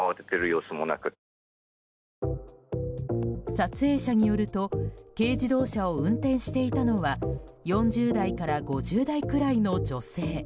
撮影者によると軽自動車を運転していたのは４０代から５０代くらいの女性。